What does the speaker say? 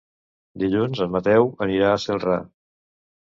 Dilluns en Mateu anirà a Celrà.